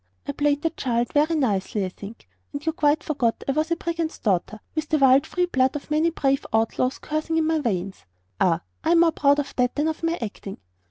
I played the child very nicely, I think, and you quite forgot I was a brigand's daughter, with the wild, free blood of many brave outlaws coursing in my veins. Ah, I am more proud of that than of my acting.